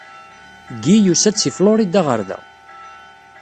Guy yusa-d seg Florida ɣer da.